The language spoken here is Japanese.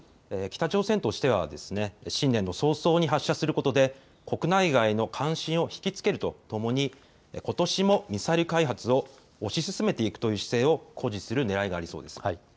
北朝鮮としては新年の早々に発射することで国内外の関心を引き付けるとともにことしもミサイル開発を推し進めていくという姿勢を誇示するねらいがありそうです。